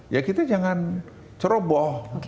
ya kita jangan ceroboh